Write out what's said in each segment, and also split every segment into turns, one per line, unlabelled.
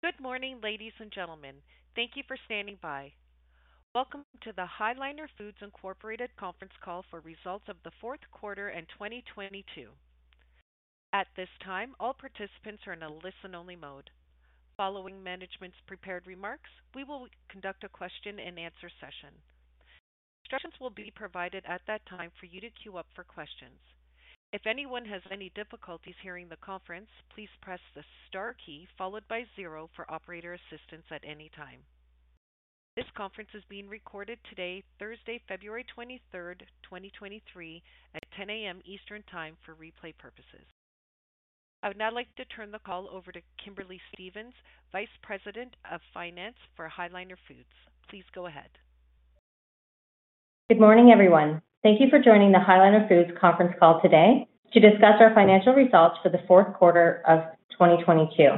Good morning, ladies and gentlemen. Thank you for standing by. Welcome to the High Liner Foods Incorporated conference call for results of the fourth quarter in 2022. At this time, all participants are in a listen-only mode. Following management's prepared remarks, we will conduct a question-and-answer session. Instructions will be provided at that time for you to queue up for questions. If anyone has any difficulties hearing the conference, please press the star key followed by zero for operator assistance at any time. This conference is being recorded today, Thursday, February 23rd, 2023 at 10:00 A.M. Eastern time for replay purposes. I would now like to turn the call over to Kimberly Stephens, Vice President of Finance for High Liner Foods. Please go ahead.
Good morning, everyone. Thank you for joining the High Liner Foods conference call today to discuss our financial results for the fourth quarter of 2022.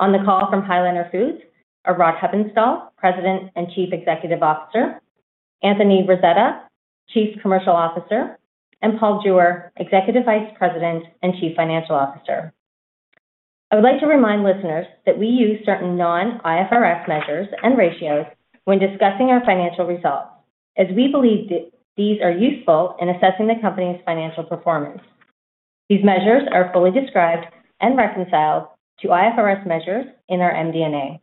On the call from High Liner Foods are Rod Hepponstall, President and Chief Executive Officer, Anthony Rasetta, Chief Commercial Officer, and Paul Jewer, Executive Vice President and Chief Financial Officer. I would like to remind listeners that we use certain non-IFRS measures and ratios when discussing our financial results as we believe these are useful in assessing the company's financial performance. These measures are fully described and reconciled to IFRS measures in our MD&A.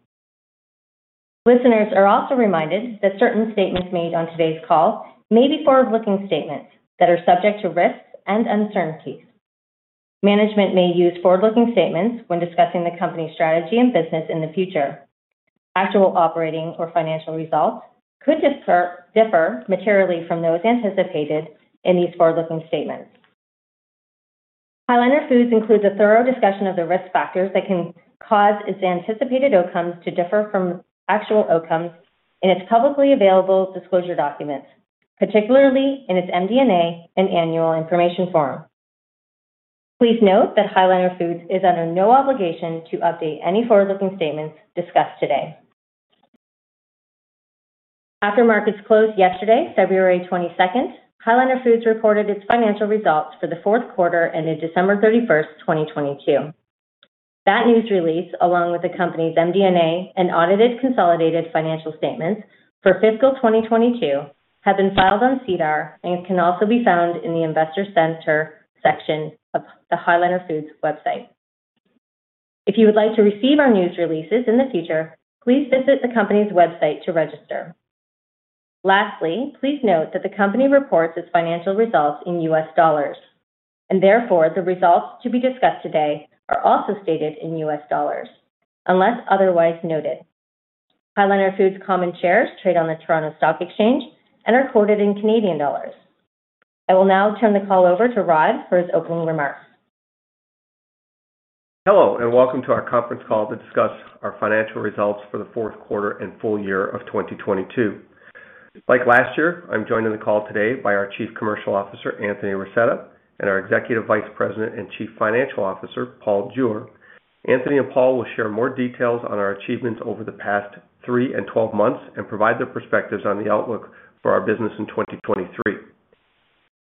Listeners are also reminded that certain statements made on today's call may be forward-looking statements that are subject to risks and uncertainties. Management may use forward-looking statements when discussing the company's strategy and business in the future. Actual operating or financial results could differ materially from those anticipated in these forward-looking statements. High Liner Foods includes a thorough discussion of the risk factors that can cause its anticipated outcomes to differ from actual outcomes in its publicly available disclosure documents, particularly in its MD&A and annual information form. Please note that High Liner Foods is under no obligation to update any forward-looking statements discussed today. After markets closed yesterday, February 22nd, High Liner Foods reported its financial results for the fourth quarter ending December 31st, 2022. That news release, along with the company's MD&A and audited consolidated financial statements for fiscal 2022, have been filed on SEDAR and can also be found in the Investor section of the High Liner Foods website. If you would like to receive our news releases in the future, please visit the company's website to register. Lastly, please note that the company reports its financial results in U.S. dollars, and therefore the results to be discussed today are also stated in U.S. dollars, unless otherwise noted. High Liner Foods common shares trade on the Toronto Stock Exchange and are quoted in Canadian dollars. I will now turn the call over to Rod for his opening remarks.
Hello, and welcome to our conference call to discuss our financial results for the fourth quarter and full year of 2022. Like last year, I'm joined on the call today by our Chief Commercial Officer, Anthony Rasetta, and our Executive Vice President and Chief Financial Officer, Paul Jewer. Anthony and Paul will share more details on our achievements over the past 3 and 12 months and provide their perspectives on the outlook for our business in 2023.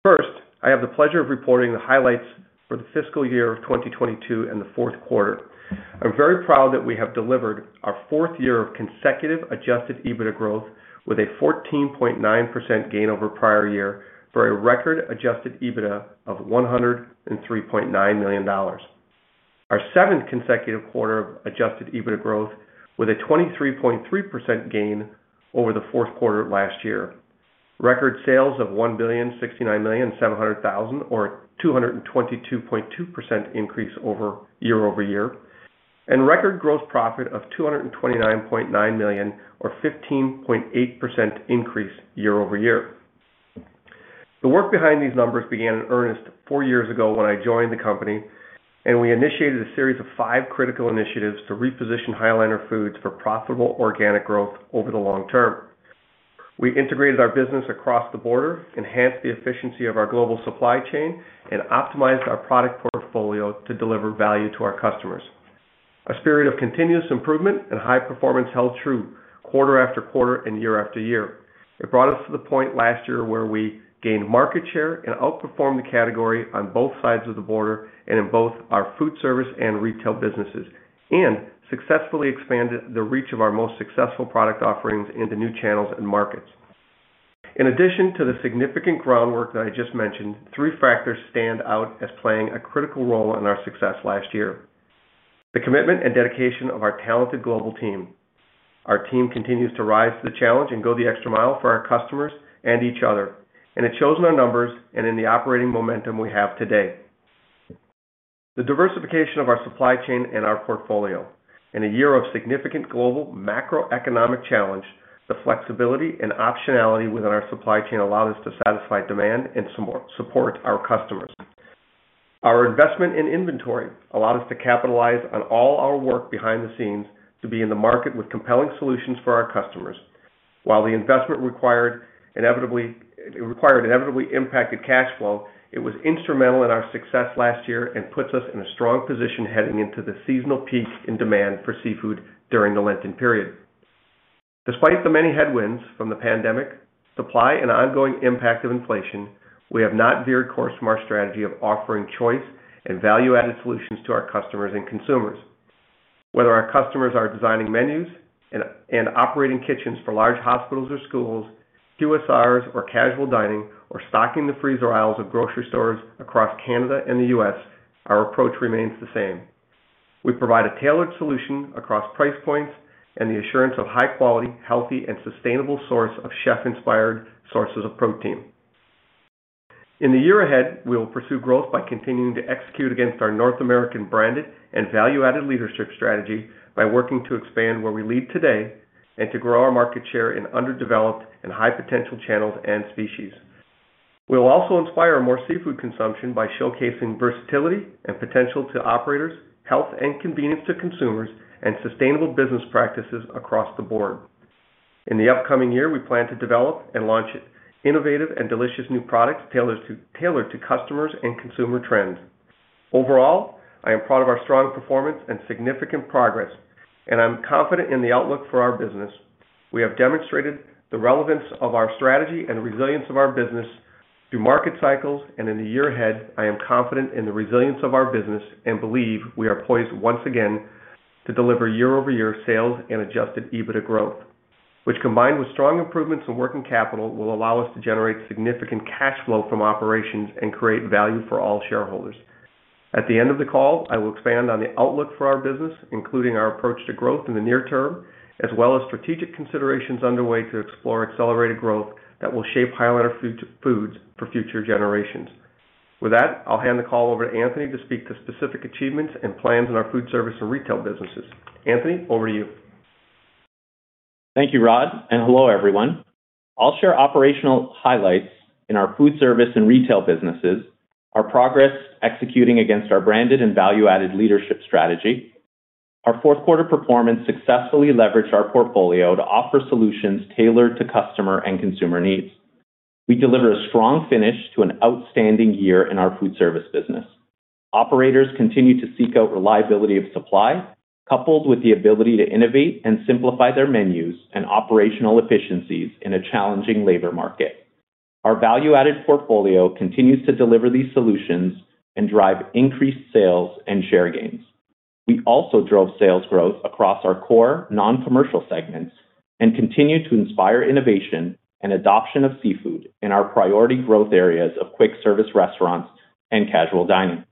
First, I have the pleasure of reporting the highlights for the fiscal year of 2022 and the fourth quarter. I'm very proud that we have delivered our fourth year of consecutive Adjusted EBITDA growth with a 14.9% gain over prior year for a record Adjusted EBITDA of $103.9 million. Our seventh consecutive quarter of Adjusted EBITDA growth with a 23.3% gain over the fourth quarter last year. Record sales of $1,069,700,000 or 222.2% increase year-over-year. Record gross profit of $229.9 million or 15.8% increase year-over-year. The work behind these numbers began in earnest four years ago when I joined the company, and we initiated a series of five critical initiatives to reposition High Liner Foods for profitable organic growth over the long term. We integrated our business across the border, enhanced the efficiency of our global supply chain, and optimized our product portfolio to deliver value to our customers. A spirit of continuous improvement and high performance held true quarter after quarter and year after year. It brought us to the point last year where we gained market share and outperformed the category on both sides of the border and in both our foodservice and retail businesses and successfully expanded the reach of our most successful product offerings into new channels and markets. In addition to the significant groundwork that I just mentioned, three factors stand out as playing a critical role in our success last year. The commitment and dedication of our talented global team. Our team continues to rise to the challenge and go the extra mile for our customers and each other, and it shows in our numbers and in the operating momentum we have today. The diversification of our supply chain and our portfolio. In a year of significant global macroeconomic challenge, the flexibility and optionality within our supply chain allowed us to satisfy demand and support our customers. Our investment in inventory allowed us to capitalize on all our work behind the scenes to be in the market with compelling solutions for our customers. While the investment inevitably impacted cash flow, it was instrumental in our success last year and puts us in a strong position heading into the seasonal peak in demand for seafood during the Lenten period. Despite the many headwinds from the pandemic, supply and ongoing impact of inflation, we have not veered course from our strategy of offering choice and value-added solutions to our customers and consumers. Whether our customers are designing menus and operating kitchens for large hospitals or schools, QSR or casual dining, or stocking the freezer aisles of grocery stores across Canada and the U.S., our approach remains the same. We provide a tailored solution across price points and the assurance of high quality, healthy, and sustainable source of chef-inspired sources of protein. In the year ahead, we will pursue growth by continuing to execute against our North American branded and value-added leadership strategy by working to expand where we lead today and to grow our market share in underdeveloped and high potential channels and species. We'll also inspire more seafood consumption by showcasing versatility and potential to operators, health and convenience to consumers, and sustainable business practices across the board. In the upcoming year, we plan to develop and launch innovative and delicious new products tailored to customers and consumer trends. Overall, I am proud of our strong performance and significant progress, and I'm confident in the outlook for our business. We have demonstrated the relevance of our strategy and resilience of our business through market cycles. In the year ahead, I am confident in the resilience of our business and believe we are poised once again to deliver year-over-year sales and Adjusted EBITDA growth, which combined with strong improvements in working capital, will allow us to generate significant cash flow from operations and create value for all shareholders. At the end of the call, I will expand on the outlook for our business, including our approach to growth in the near term, as well as strategic considerations underway to explore accelerated growth that will shape High Liner Foods for future generations. With that, I'll hand the call over to Anthony to speak to specific achievements and plans in our foodservice and retail businesses. Anthony, over to you.
Thank you, Rod. Hello, everyone. I'll share operational highlights in our foodservice and retail businesses, our progress executing against our branded and value-added leadership strategy. Our fourth quarter performance successfully leveraged our portfolio to offer solutions tailored to customer and consumer needs. We deliver a strong finish to an outstanding year in our foodservice business. Operators continue to seek out reliability of supply, coupled with the ability to innovate and simplify their menus and operational efficiencies in a challenging labor market. Our value-added portfolio continues to deliver these solutions and drive increased sales and share gains. We also drove sales growth across our core non-commercial segments and continued to inspire innovation and adoption of seafood in our priority growth areas of quick service restaurants and casual dining.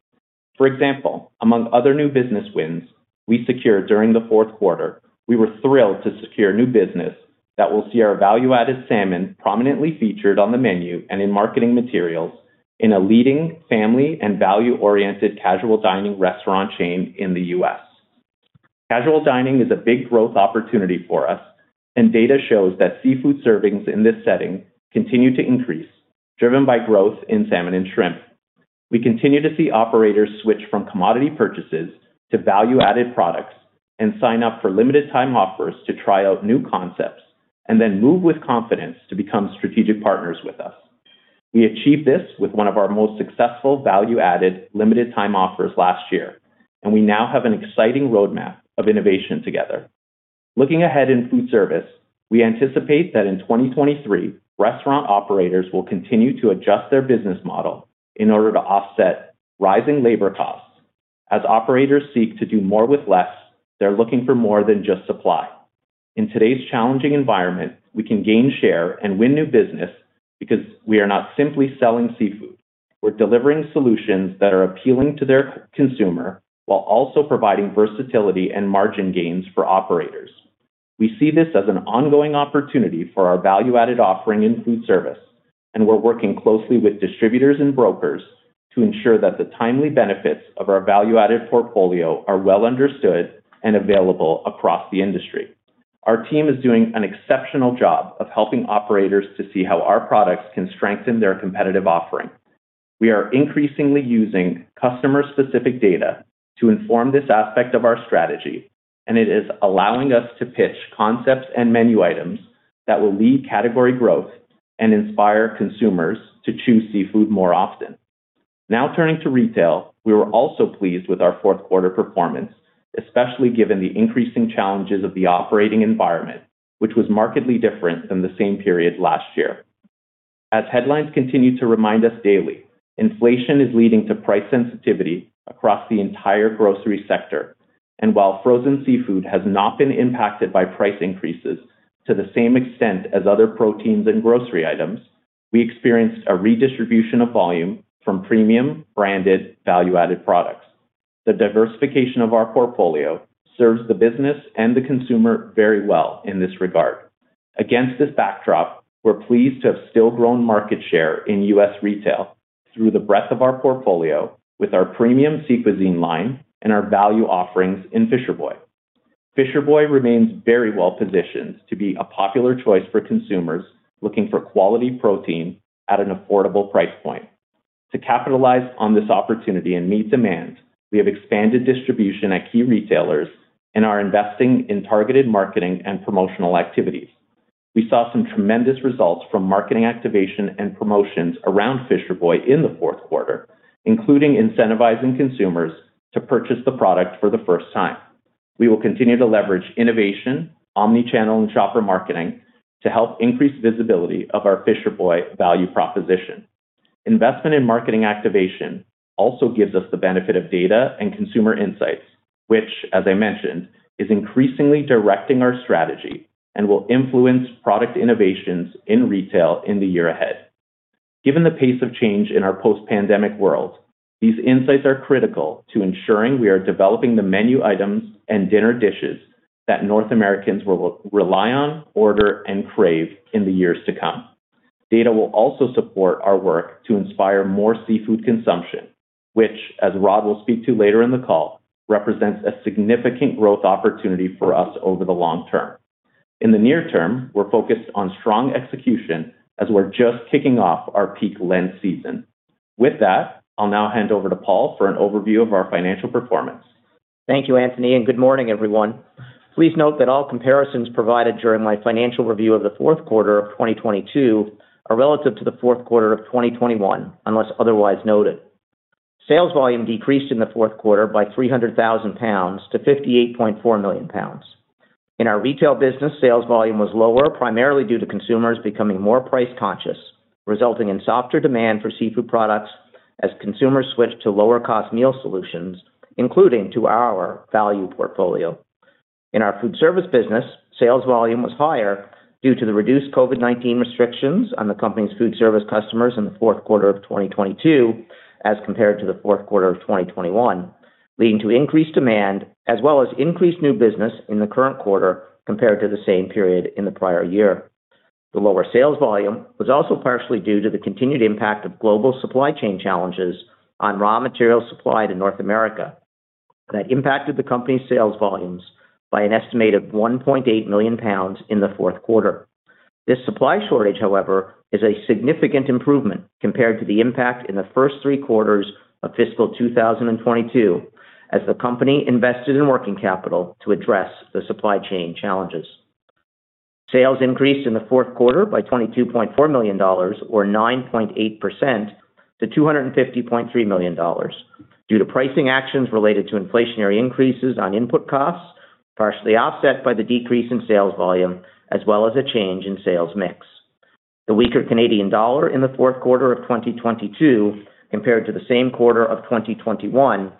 For example, among other new business wins we secured during the fourth quarter, we were thrilled to secure new business that will see our value-added salmon prominently featured on the menu and in marketing materials in a leading family and value-oriented casual dining restaurant chain in the U.S. Casual dining is a big growth opportunity for us. Data shows that seafood servings in this setting continue to increase, driven by growth in salmon and shrimp. We continue to see operators switch from commodity purchases to value-added products and sign up for limited time offers to try out new concepts. Then move with confidence to become strategic partners with us. We achieved this with one of our most successful value-added limited time offers last year. We now have an exciting roadmap of innovation together. Looking ahead in foodservice, we anticipate that in 2023, restaurant operators will continue to adjust their business model in order to offset rising labor costs. As operators seek to do more with less, they're looking for more than just supply. In today's challenging environment, we can gain share and win new business because we are not simply selling seafood. We're delivering solutions that are appealing to their consumer while also providing versatility and margin gains for operators. We see this as an ongoing opportunity for our value-added offering in foodservice, and we're working closely with distributors and brokers to ensure that the timely benefits of our value-added portfolio are well understood and available across the industry. Our team is doing an exceptional job of helping operators to see how our products can strengthen their competitive offering. We are increasingly using customer specific data to inform this aspect of our strategy. It is allowing us to pitch concepts and menu items that will lead category growth and inspire consumers to choose seafood more often. Now turning to retail, we were also pleased with our fourth quarter performance, especially given the increasing challenges of the operating environment, which was markedly different than the same period last year. As headlines continue to remind us daily, inflation is leading to price sensitivity across the entire grocery sector. While frozen seafood has not been impacted by price increases to the same extent as other proteins and grocery items, we experienced a redistribution of volume from premium branded value-added products. The diversification of our portfolio serves the business and the consumer very well in this regard. Against this backdrop, we're pleased to have still grown market share in U.S. retail through the breadth of our portfolio with our premium Sea Cuisine line and our value offerings in Fisher Boy. Fisher Boy remains very well positioned to be a popular choice for consumers looking for quality protein at an affordable price point. To capitalize on this opportunity and meet demand, we have expanded distribution at key retailers and are investing in targeted marketing and promotional activities. We saw some tremendous results from marketing activation and promotions around Fisher Boy in the fourth quarter, including incentivizing consumers to purchase the product for the first time. We will continue to leverage innovation, omni-channel and shopper marketing to help increase visibility of our Fisher Boy value proposition. Investment in marketing activation also gives us the benefit of data and consumer insights, which, as I mentioned, is increasingly directing our strategy and will influence product innovations in retail in the year ahead. Given the pace of change in our post-pandemic world, these insights are critical to ensuring we are developing the menu items and dinner dishes that North Americans will rely on, order, and crave in the years to come. Data will also support our work to inspire more seafood consumption, which, as Rod will speak to later in the call, represents a significant growth opportunity for us over the long term. In the near term, we're focused on strong execution as we're just kicking off our peak Lent season. With that, I'll now hand over to Paul for an overview of our financial performance.
Thank you, Anthony, and good morning, everyone. Please note that all comparisons provided during my financial review of the fourth quarter of 2022 are relative to the fourth quarter of 2021, unless otherwise noted. Sales volume decreased in the fourth quarter by 300,000 pounds to 58.4 million pounds. In our retail business, sales volume was lower, primarily due to consumers becoming more price conscious, resulting in softer demand for seafood products as consumers switched to lower cost meal solutions, including to our value portfolio. In our foodservice business, sales volume was higher due to the reduced COVID-19 restrictions on the company's foodservice customers in the fourth quarter of 2022 as compared to the fourth quarter of 2021, leading to increased demand as well as increased new business in the current quarter compared to the same period in the prior year. The lower sales volume was also partially due to the continued impact of global supply chain challenges on raw material supply to North America that impacted the company's sales volumes by an estimated 1.8 million pounds in the fourth quarter. This supply shortage, however, is a significant improvement compared to the impact in the first three quarters of fiscal 2022 as the company invested in working capital to address the supply chain challenges. Sales increased in the fourth quarter by $22.4 million or 9.8% to $250.3 million due to pricing actions related to inflationary increases on input costs, partially offset by the decrease in sales volume as well as a change in sales mix. The weaker Canadian dollar in the fourth quarter of 2022 compared to the same quarter of 2021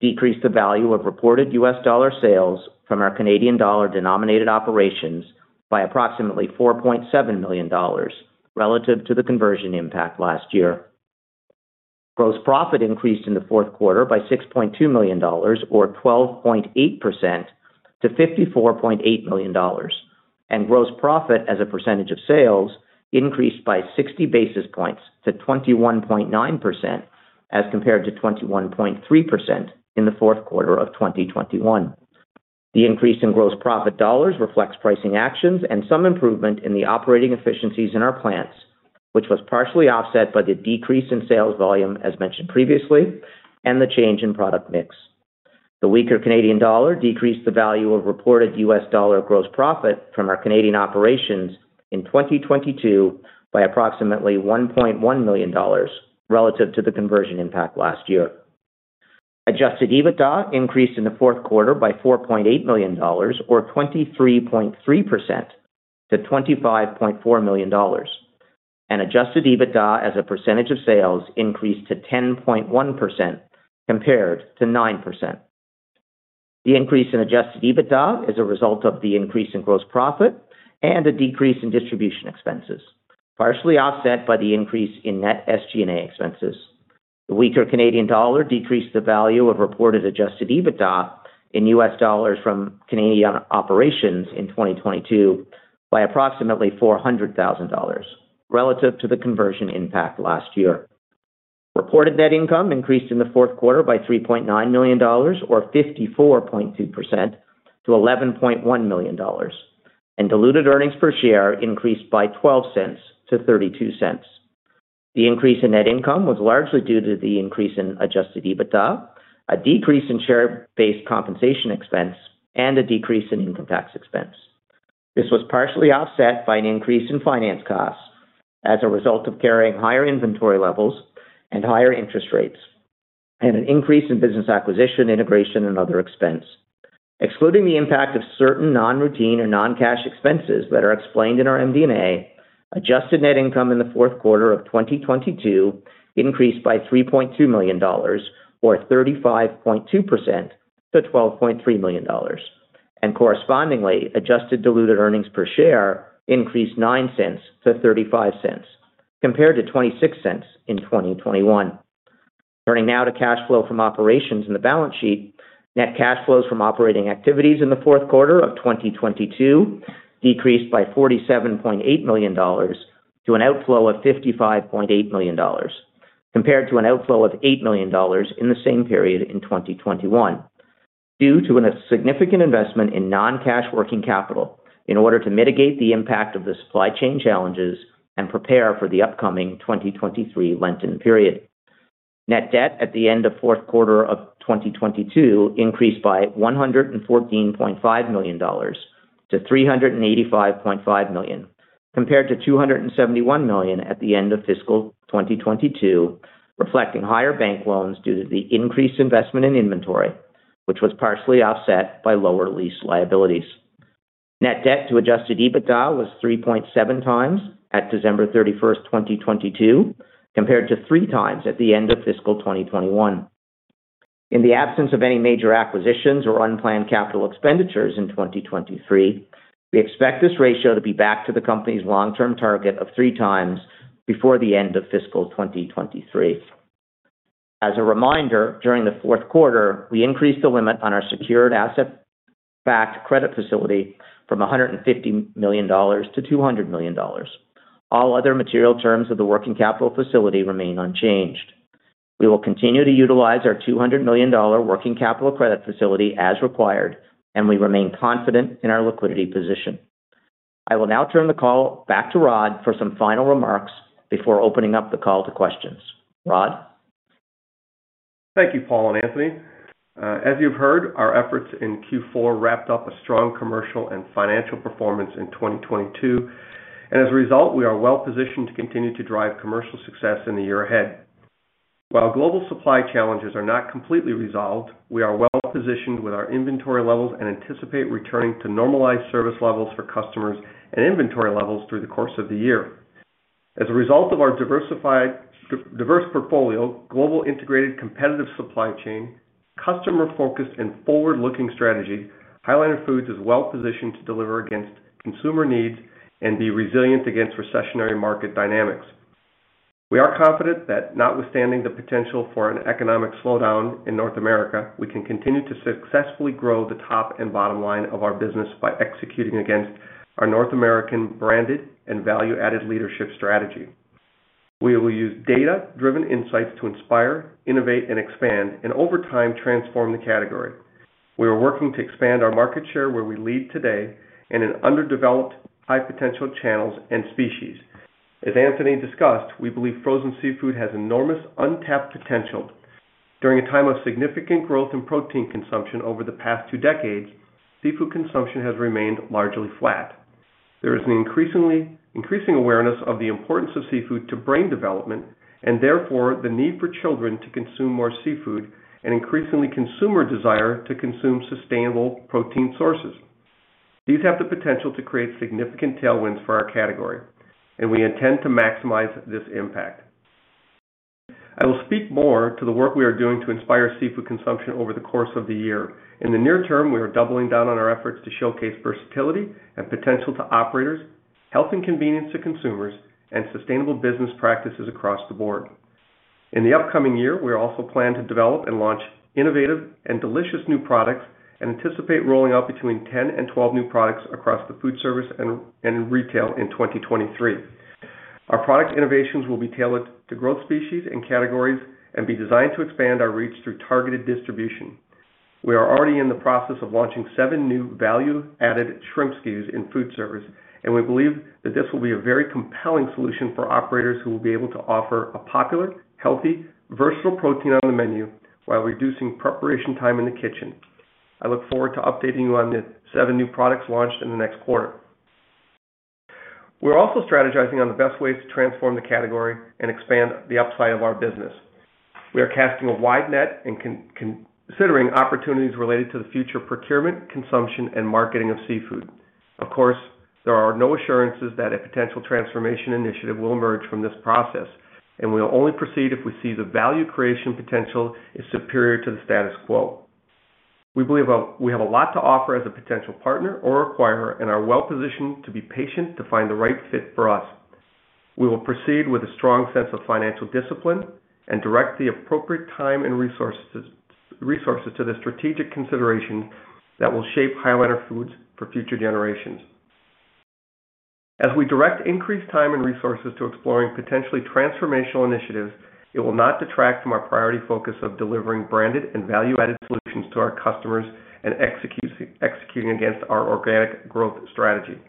decreased the value of reported U.S. Dollar sales from our Canadian dollar denominated operations by approximately $4.7 million relative to the conversion impact last year. Gross profit increased in the fourth quarter by $6.2 million or 12.8% to $54.8 million, and gross profit as a percentage of sales increased by 60 basis points to 21.9% as compared to 21.3% in the fourth quarter of 2021. The increase in gross profit dollars reflects pricing actions and some improvement in the operating efficiencies in our plants, which was partially offset by the decrease in sales volume, as mentioned previously, and the change in product mix. The weaker Canadian dollar decreased the value of reported U.S. dollar gross profit from our Canadian operations in 2022 by approximately $1.1 million relative to the conversion impact last year. Adjusted EBITDA increased in the fourth quarter by $4.8 million or 23.3% to $25.4 million. Adjusted EBITDA as a percentage of sales increased to 10.1% compared to 9%. The increase in Adjusted EBITDA is a result of the increase in gross profit and a decrease in distribution expenses, partially offset by the increase in net SG&A expenses. The weaker Canadian dollar decreased the value of reported Adjusted EBITDA in U.S. dollars from Canadian operations in 2022 by approximately $400,000 relative to the conversion impact last year. Reported net income increased in the fourth quarter by $3.9 million or 54.2% to $11.1 million, and diluted earnings per share increased by $0.12-$0.32. The increase in net income was largely due to the increase in Adjusted EBITDA, a decrease in share-based compensation expense, and a decrease in income tax expense. This was partially offset by an increase in finance costs as a result of carrying higher inventory levels and higher interest rates, and an increase in business acquisition, integration, and other expense. Excluding the impact of certain non-routine or non-cash expenses that are explained in our MD&A, Adjusted Net Income in the fourth quarter of 2022 increased by $3.2 million or 35.2% to $12.3 million. Correspondingly, Adjusted Diluted Earnings Per Share increased $0.09 to $0.35, compared to $0.26 in 2021. Turning now to cash flow from operations and the balance sheet, Net cash flows from operating activities in the fourth quarter of 2022 decreased by $47.8 million to an outflow of $55.8 million, compared to an outflow of $8 million in the same period in 2021 due to a significant investment in non-cash working capital in order to mitigate the impact of the supply chain challenges and prepare for the upcoming 2023 Lenten period. Net Debt at the end of fourth quarter of 2022 increased by $114.5 million to $385.5 million, compared to $271 million at the end of fiscal 2022, reflecting higher bank loans due to the increased investment in inventory, which was partially offset by lower lease liabilities. Net Debt to Adjusted EBITDA was 3.7 times at December 31, 2022, compared to 3 times at the end of fiscal 2021. In the absence of any major acquisitions or unplanned capital expenditures in 2023, we expect this ratio to be back to the company's long-term target of 3 times before the end of fiscal 2023. As a reminder, during the fourth quarter, we increased the limit on our asset-based revolving credit facility from $150 million-$200 million. All other material terms of the working capital facility remain unchanged. We will continue to utilize our $200 million working capital credit facility as required, and we remain confident in our liquidity position. I will now turn the call back to Rod for some final remarks before opening up the call to questions. Rod?
Thank you, Paul Jewer and Anthony Rasetta. As you've heard, our efforts in Q4 wrapped up a strong commercial and financial performance in 2022. As a result, we are well positioned to continue to drive commercial success in the year ahead. While global supply challenges are not completely resolved, we are well positioned with our inventory levels and anticipate returning to normalized service levels for customers and inventory levels through the course of the year. As a result of our diversified portfolio, global integrated competitive supply chain, customer-focused and forward-looking strategy, High Liner Foods is well positioned to deliver against consumer needs and be resilient against recessionary market dynamics. We are confident that notwithstanding the potential for an economic slowdown in North America, we can continue to successfully grow the top and bottom line of our business by executing against our North American branded and value-added leadership strategy. We will use data-driven insights to inspire, innovate, and expand, and over time, transform the category. We are working to expand our market share where we lead today in an underdeveloped, high potential channels and species. As Anthony discussed, we believe frozen seafood has enormous untapped potential. During a time of significant growth in protein consumption over the past two decades, seafood consumption has remained largely flat. There is an increasing awareness of the importance of seafood to brain development, and therefore the need for children to consume more seafood, and increasingly consumer desire to consume sustainable protein sources. These have the potential to create significant tailwinds for our category, and we intend to maximize this impact. I will speak more to the work we are doing to inspire seafood consumption over the course of the year. In the near term, we are doubling down on our efforts to showcase versatility and potential to operators, health and convenience to consumers, and sustainable business practices across the board. In the upcoming year, we also plan to develop and launch innovative and delicious new products and anticipate rolling out between 10 and 12 new products across the foodservice and retail in 2023. Our product innovations will be tailored to growth species and categories and be designed to expand our reach through targeted distribution. We are already in the process of launching seven new value-added shrimp SKUs in foodservice. We believe that this will be a very compelling solution for operators who will be able to offer a popular, healthy, versatile protein on the menu while reducing preparation time in the kitchen. I look forward to updating you on the seven new products launched in the next quarter. We're also strategizing on the best ways to transform the category and expand the upside of our business. We are casting a wide net and considering opportunities related to the future procurement, consumption, and marketing of seafood. Of course, there are no assurances that a potential transformation initiative will emerge from this process, and we will only proceed if we see the value creation potential is superior to the status quo. We believe we have a lot to offer as a potential partner or acquirer and are well-positioned to be patient to find the right fit for us. We will proceed with a strong sense of financial discipline and direct the appropriate time and resources to the strategic consideration that will shape High Liner Foods for future generations. As we direct increased time and resources to exploring potentially transformational initiatives, it will not detract from our priority focus of delivering branded and value-added solutions to our customers and executing against our organic growth strategy.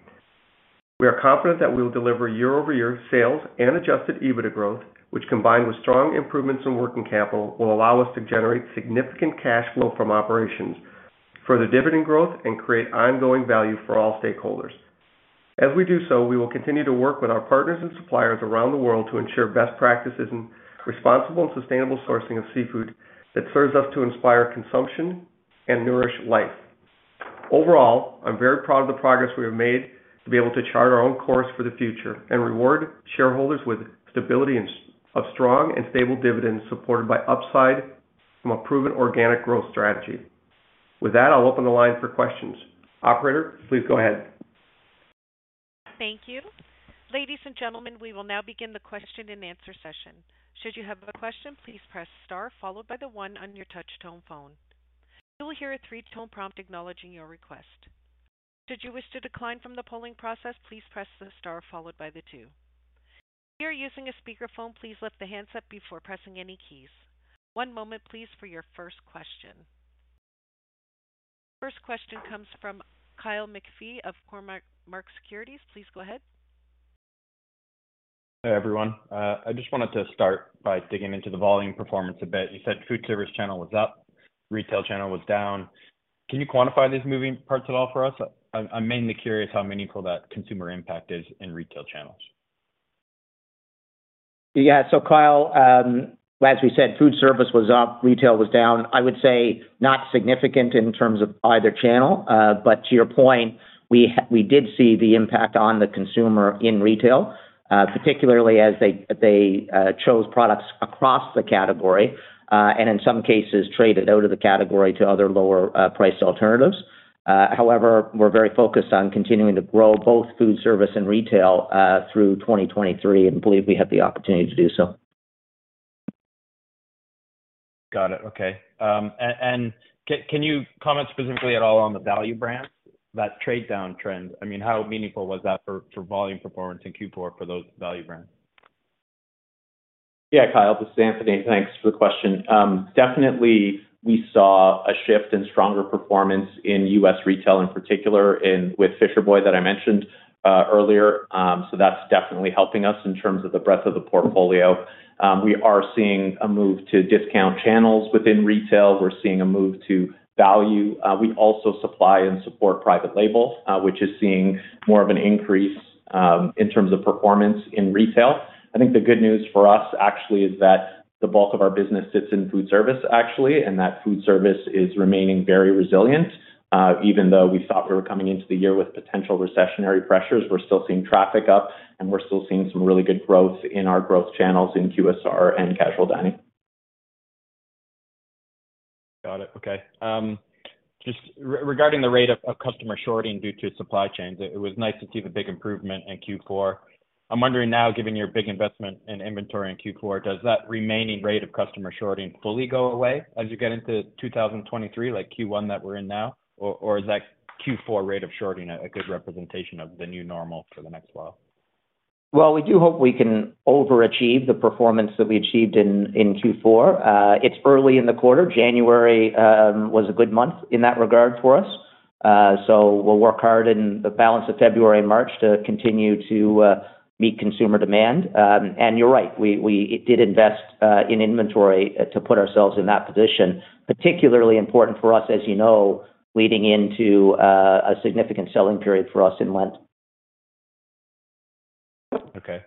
We are confident that we will deliver year-over-year sales and Adjusted EBITDA growth, which combined with strong improvements in working capital, will allow us to generate significant cash flow from operations for the dividend growth and create ongoing value for all stakeholders. As we do so, we will continue to work with our partners and suppliers around the world to ensure best practices in responsible and sustainable sourcing of seafood that serves us to inspire consumption and nourish life. Overall, I'm very proud of the progress we have made to be able to chart our own course for the future and reward shareholders with stability and strong and stable dividends supported by upside from a proven organic growth strategy. With that, I'll open the line for questions. Operator, please go ahead.
Thank you. Ladies and gentlemen, we will now begin the question and answer session. Should you have a question, please press star followed by the 1 on your touch tone phone. You will hear a three-tone prompt acknowledging your request. Should you wish to decline from the polling process, please press the star followed by the 2. If you are using a speakerphone, please lift the handset before pressing any keys. One moment, please, for your first question. First question comes from Kyle McPhee of Cormark Securities. Please go ahead.
Hey, everyone. I just wanted to start by digging into the volume performance a bit. You said foodservice channel was up, retail channel was down. Can you quantify these moving parts at all for us? I'm mainly curious how meaningful that consumer impact is in retail channels.
Kyle, as we said, foodservice was up, retail was down. I would say not significant in terms of either channel. But to your point, we did see the impact on the consumer in retail, particularly as they chose products across the category, and in some cases traded out of the category to other lower-priced alternatives. However, we're very focused on continuing to grow both foodservice and retail through 2023, and believe we have the opportunity to do so.
Got it. Okay. Can you comment specifically at all on the value brands, that trade down trend? I mean, how meaningful was that for volume performance in Q4 for those value brands?
Kyle, this is Anthony. Thanks for the question. Definitely we saw a shift in stronger performance in U.S. retail, in particular with Fisher Boy that I mentioned earlier. That's definitely helping us in terms of the breadth of the portfolio. We are seeing a move to discount channels within retail. We're seeing a move to value. We also supply and support private label, which is seeing more of an increase in terms of performance in retail. I think the good news for us actually is that the bulk of our business sits in foodservice, actually, and that foodservice is remaining very resilient. Even though we thought we were coming into the year with potential recessionary pressures, we're still seeing traffic up, and we're still seeing some really good growth in our growth channels in QSR and casual dining.
Got it. Okay. Just regarding the rate of customer shorting due to supply chains, it was nice to see the big improvement in Q4. I'm wondering now, given your big investment in inventory in Q4, does that remaining rate of customer shorting fully go away as you get into 2023, like Q1 that we're in now? Or is that Q4 rate of shorting a good representation of the new normal for the next while?
We do hope we can overachieve the performance that we achieved in Q4. It's early in the quarter. January was a good month in that regard for us. We'll work hard in the balance of February and March to continue to meet consumer demand. You're right, we did invest in inventory to put ourselves in that position. Particularly important for us, as you know, leading into a significant selling period for us in Lent.
Okay.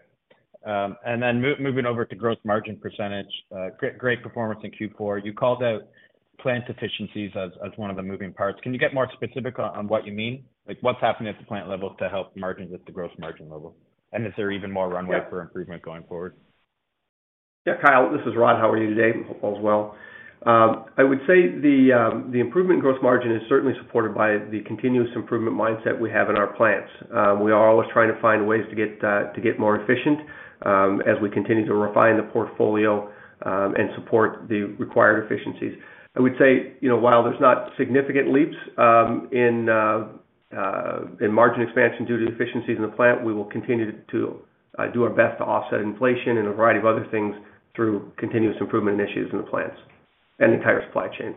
Moving over to gross margin percentage, great performance in Q4. You called out plant efficiencies as one of the moving parts. Can you get more specific on what you mean? Like, what's happening at the plant level to help margins at the gross margin level? Is there even more runway for improvement going forward?
Yeah, Kyle, this is Rod. How are you today? Hope all is well. I would say the improvement in gross margin is certainly supported by the continuous improvement mindset we have in our plants. We are always trying to find ways to get to get more efficient as we continue to refine the portfolio and support the required efficiencies. I would say, you know, while there's not significant leaps in margin expansion due to efficiencies in the plant, we will continue to do our best to offset inflation and a variety of other things through continuous improvement initiatives in the plants and the entire supply chain.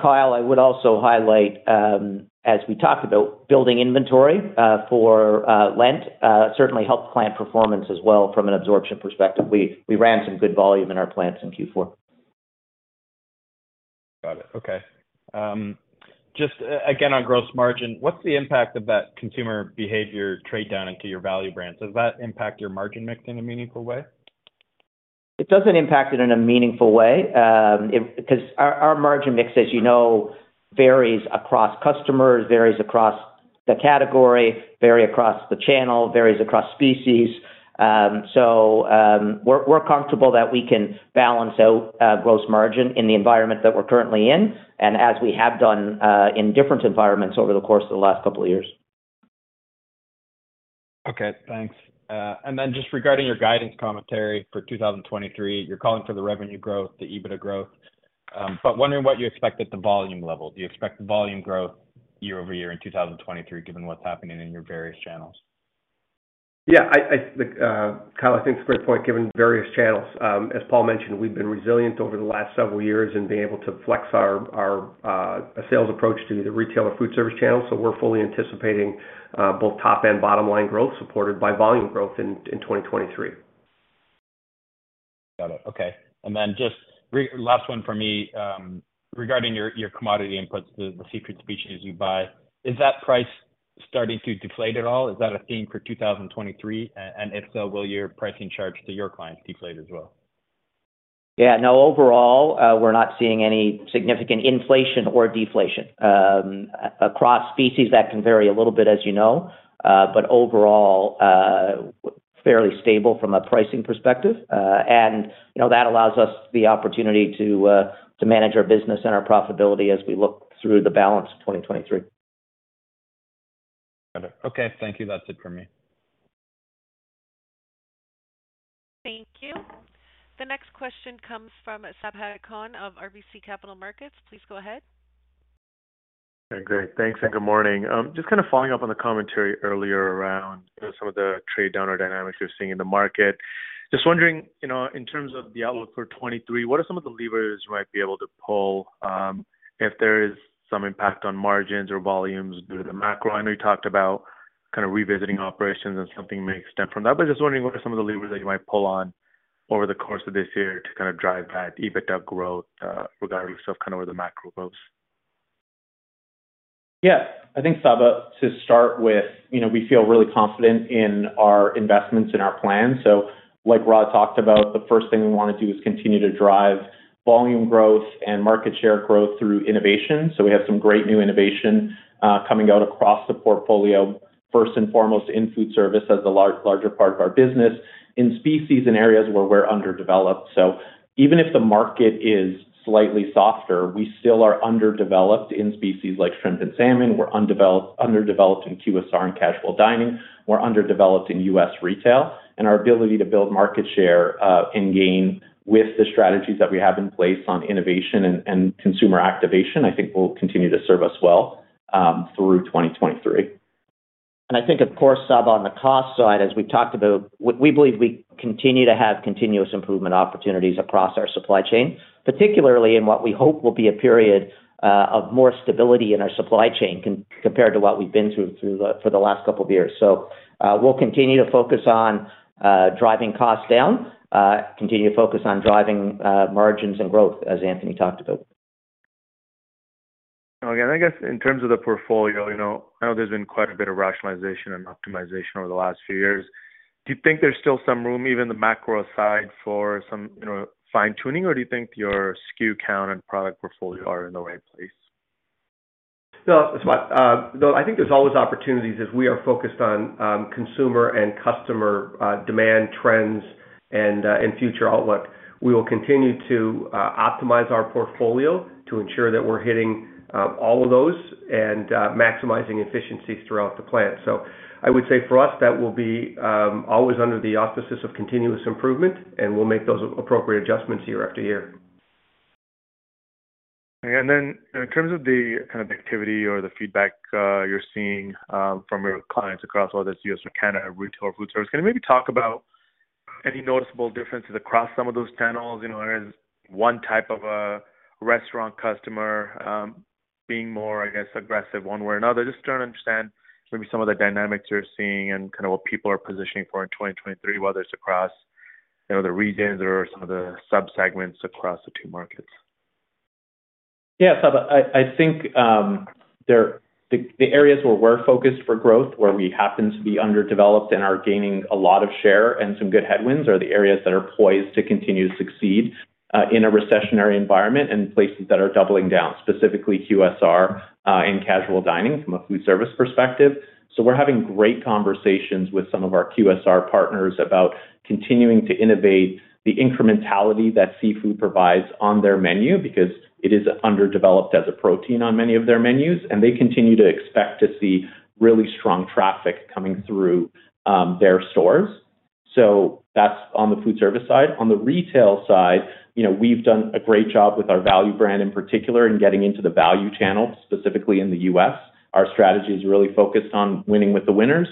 Kyle, I would also highlight, as we talked about building inventory for Lent, certainly helped plant performance as well from an absorption perspective. We ran some good volume in our plants in Q4.
Got it. Okay. Just, again, on gross margin, what's the impact of that consumer behavior trade down into your value brand? Does that impact your margin mix in a meaningful way?
It doesn't impact it in a meaningful way, because our margin mix, as you know, varies across customers, varies across the category, vary across the channel, varies across species. We're comfortable that we can balance out, gross margin in the environment that we're currently in and as we have done in different environments over the course of the last couple of years.
Okay, thanks. Just regarding your guidance commentary for 2023, you're calling for the revenue growth, the EBITDA growth. Wondering what you expect at the volume level. Do you expect the volume growth year-over-year in 2023, given what's happening in your various channels?
Yeah. Kyle, I think it's a great point, given various channels. As Paul mentioned, we've been resilient over the last several years in being able to flex our sales approach to the retail and foodservice channels. We're fully anticipating both top and bottom line growth supported by volume growth in 2023.
Got it. Okay. Just last one for me. Regarding your commodity inputs, the seafood species you buy, is that price starting to deflate at all? Is that a theme for 2023? If so, will your pricing charge to your clients deflate as well?
No, overall, we're not seeing any significant inflation or deflation. Across species, that can vary a little bit, as you know. Overall, fairly stable from a pricing perspective. You know, that allows us the opportunity to manage our business and our profitability as we look through the balance of 2023.
Got it. Okay, thank you. That's it for me.
Thank you. The next question comes from Sabahat Khan of RBC Capital Markets. Please go ahead.
Okay, great. Thanks and good morning. Just kind of following up on the commentary earlier around some of the trade downer dynamics you're seeing in the market. Just wondering, you know, in terms of the outlook for '23, what are some of the levers you might be able to pull, if there is some impact on margins or volumes due to the macro? I know you talked about kind of revisiting operations and something may extend from that, just wondering what are some of the levers that you might pull on over the course of this year to kind of drive that EBITDA growth, regardless of kind of where the macro goes?
Yeah, I think, Sabahat, to start with, you know, we feel really confident in our investments and our plans. Like Rod Hepponstall talked about, the first thing we wanna do is continue to drive volume growth and market share growth through innovation. We have some great new innovation coming out across the portfolio, first and foremost in foodservice as a large, larger part of our business in species and areas where we're underdeveloped. Even if the market is slightly softer, we still are underdeveloped in species like shrimp and salmon. We're underdeveloped in QSR and casual dining. We're underdeveloped in U.S. retail. Our ability to build market share and gain with the strategies that we have in place on innovation and consumer activation, I think will continue to serve us well through 2023.
I think of course, Sabahat, on the cost side, as we've talked about, we believe we continue to have continuous improvement opportunities across our supply chain, particularly in what we hope will be a period of more stability in our supply chain compared to what we've been through for the last couple of years. We'll continue to focus on driving costs down, continue to focus on driving margins and growth as Anthony talked about.
Okay. I guess in terms of the portfolio, you know, I know there's been quite a bit of rationalization and optimization over the last few years. Do you think there's still some room, even the macro side, for some, you know, fine-tuning, or do you think your SKU count and product portfolio are in the right place?
I think there's always opportunities as we are focused on consumer and customer demand trends and future outlook. We will continue to optimize our portfolio to ensure that we're hitting all of those and maximizing efficiencies throughout the plant. I would say for us that will be always under the auspices of continuous improvement, and we'll make those appropriate adjustments year after year.
In terms of the kind of activity or the feedback, you're seeing, from your clients across whether it's U.S. or Canada, retail or foodservice, can you maybe talk about any noticeable differences across some of those channels? You know, is one type of a restaurant customer, being more, I guess, aggressive one way or another? Just trying to understand maybe some of the dynamics you're seeing and kind of what people are positioning for in 2023, whether it's across, you know, the regions or some of the sub-segments across the two markets.
Yeah, Sabahat, I think, the areas where we're focused for growth, where we happen to be underdeveloped and are gaining a lot of share and some good headwinds are the areas that are poised to continue to succeed in a recessionary environment and places that are doubling down, specifically QSR, and casual dining from a foodservice perspective. We're having great conversations with some of our QSR partners about continuing to innovate the incrementality that seafood provides on their menu because it is underdeveloped as a protein on many of their menus, and they continue to expect to see really strong traffic coming through their stores. That's on the foodservice side. On the retail side, you know, we've done a great job with our value brand in particular in getting into the value channels, specifically in the U.S. Our strategy is really focused on winning with the winners.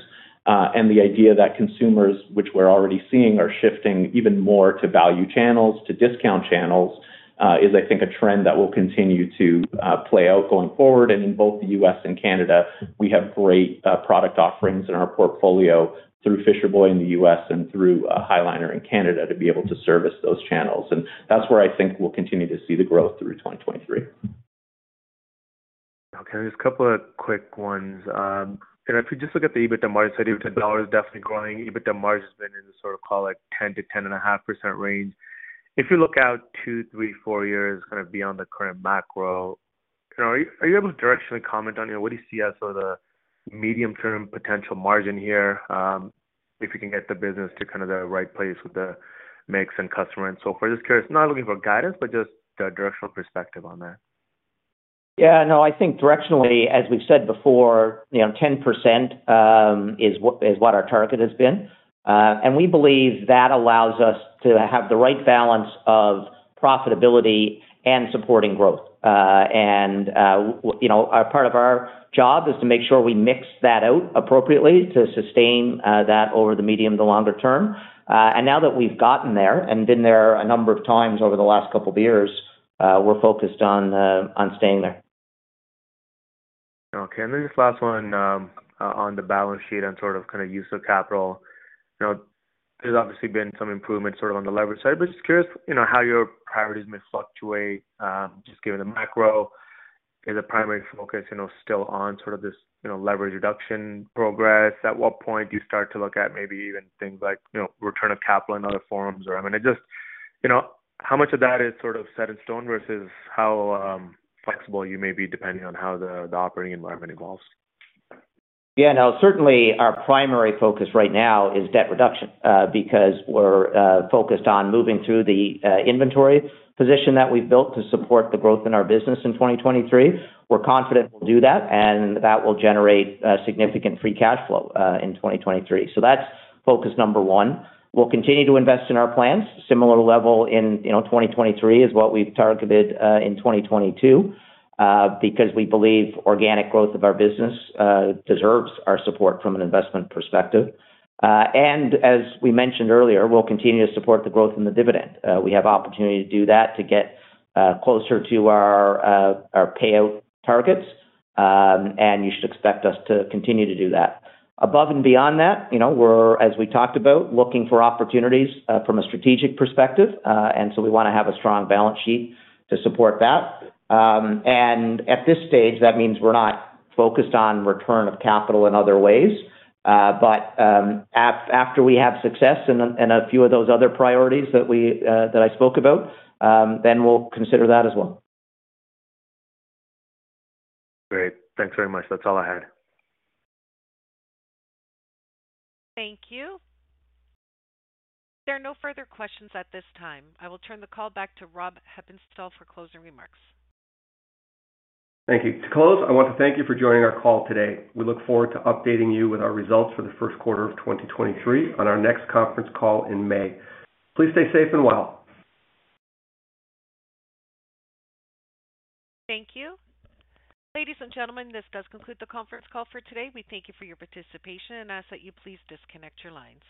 The idea that consumers, which we're already seeing, are shifting even more to value channels, to discount channels, is I think a trend that will continue to play out going forward. In both the U.S. and Canada, we have great product offerings in our portfolio through Fisher Boy in the U.S. and through High Liner in Canada to be able to service those channels. That's where I think we'll continue to see the growth through 2023.
Okay. Just a couple of quick ones. You know, if you just look at the EBITDA margin side, even dollar is definitely growing, EBITDA margin has been in the sort of call it 10%-10.5% range. If you look out two, three, four years kind of beyond the current macro, you know, are you able to directionally comment on, you know, what do you see as sort of the medium-term potential margin here, if you can get the business to kind of the right place with the mix and customer and so forth? Just curious. Not looking for guidance, but just the directional perspective on that.
Yeah, no, I think directionally, as we've said before, you know, 10% is what our target has been. We believe that allows us to have the right balance of profitability and supporting growth. You know, a part of our job is to make sure we mix that out appropriately to sustain that over the medium to longer term. Now that we've gotten there and been there a number of times over the last couple of years, we're focused on staying there.
Just last one, on the balance sheet and sort of kind of use of capital. You know, there's obviously been some improvements sort of on the leverage side, but just curious, you know, how your priorities may fluctuate, just given the macro. Is the primary focus, you know, still on sort of this, you know, leverage reduction progress? At what point do you start to look at maybe even things like, you know, return of capital in other forms? I mean, it just, you know, how much of that is sort of set in stone versus how flexible you may be depending on how the operating environment evolves?
Yeah, no, certainly, our primary focus right now is debt reduction, because we're focused on moving through the inventory position that we've built to support the growth in our business in 2023. We're confident we'll do that, and that will generate significant free cash flow in 2023. That's focus number one. We'll continue to invest in our plans. Similar level in, you know, 2023 is what we've targeted in 2022, because we believe organic growth of our business deserves our support from an investment perspective. As we mentioned earlier, we'll continue to support the growth in the dividend. We have opportunity to do that to get closer to our payout targets. You should expect us to continue to do that. Above and beyond that, you know, we're, as we talked about, looking for opportunities from a strategic perspective. We wanna have a strong balance sheet to support that. At this stage, that means we're not focused on return of capital in other ways. After we have success in a few of those other priorities that we that I spoke about, then we'll consider that as well
Great. Thanks very much. That's all I had.
Thank you. There are no further questions at this time. I will turn the call back to Rod Hepponstall for closing remarks.
Thank you. To close, I want to thank you for joining our call today. We look forward to updating you with our results for the first quarter of 2023 on our next conference call in May. Please stay safe and well.
Thank you. Ladies and gentlemen, this does conclude the conference call for today. We thank you for your participation and ask that you please disconnect your lines.